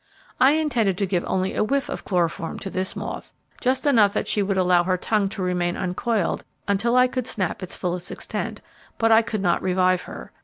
I intended to give only a whiff of chloroform to this moth, just enough that she would allow her tongue to remain uncoiled until I could snap its fullest extent, but I could not revive her.